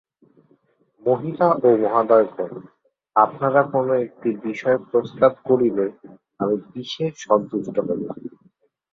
মহিলা ও মহোদয়গণ, আপনারা কোন একটি বিষয় প্রস্তাব করিলে আমি বিশেষ সন্তুষ্ট হইব।